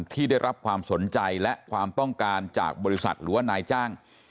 ที่ได้รับความสนใจและความต้องการจากบริษัทหรือว่านายจ้าง